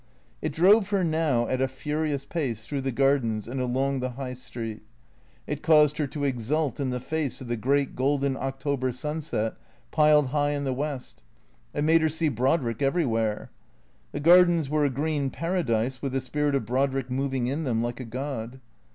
It drove her now at a furious pace through the Gardens and along the High Street. It caused her to exult in the face of the great golden October sunset piled high in the west. It made her see Brodrick everywhere. The Gardens were a green para dise with the spirit of Brodrick moving in them like a god.